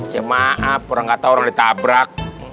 ya maaf orang kata orang ditabrak